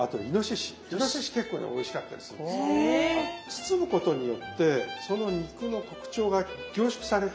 包むことによってその肉の特徴が凝縮される。